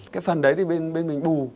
cái phần đấy thì bên mình bù